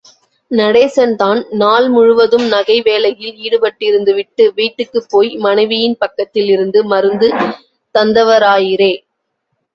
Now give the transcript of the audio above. நடேசன் தான் நாள் முழுவதும் நகை வேலையில் ஈடுபட்டிருந்துவிட்டு, வீட்டுக்குப் போய் மனைவியின் பக்கத்தில் இருந்து மருந்து தந்தவராயிற்றே!